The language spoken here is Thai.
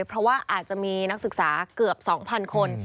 เพราะว่าอาจจะมีนักศึกษาเกือบ๒๐๐คน